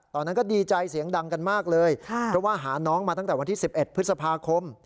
ตอนนั้นก็ดีใจเสียงดังกันมากเลยเพราะว่าหาน้องมาตั้งแต่วันที่๑๑พฤษภาคม